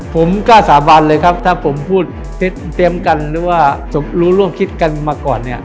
ผมกล้าสาบานเลยครับถ้าผมพูดเตรียมกันหรือว่ารู้ร่วมคิดกันมาก่อนเนี่ย